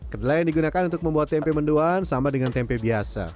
kedelai yang digunakan untuk membuat tempe menduan sama dengan tempe biasa